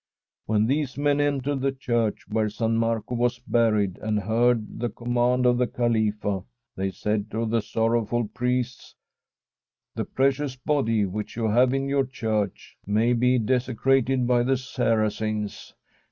When these men entered the church where San Marco was buried and heard the command of the Khalifa, they said to the sorrowful priests: " The precious body which you have in your church may be desecrated by the Saracens.